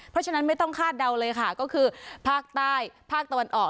เพราะฉะนั้นไม่ต้องคาดเดาเลยค่ะก็คือภาคใต้ภาคตะวันออก